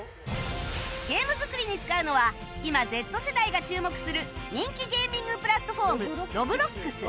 ゲーム作りに使うのは今 Ｚ 世代が注目する人気ゲーミングプラットフォーム Ｒｏｂｌｏｘ